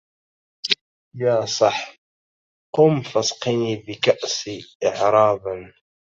يا صاح قم فاسقني بالكأس إعرابا